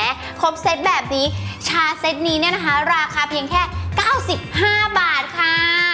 แค่ครบเซตแบบนี้ชาเซตนี้ราคาเพียงแค่๙๕บาทค่ะ